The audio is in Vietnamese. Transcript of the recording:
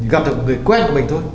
gặp được người quen của mình thôi